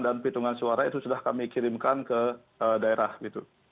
dan pintungan suara itu sudah kami kirimkan ke daerah gitu